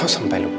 jangan sampai lupa